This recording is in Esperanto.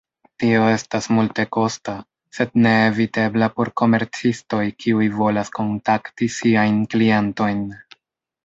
Tio estas multekosta, sed neevitebla por komercistoj kiuj volas kontakti siajn klientojn.